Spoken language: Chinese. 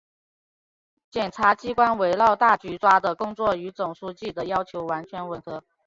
检察机关围绕大局抓的工作与总书记的要求完全吻合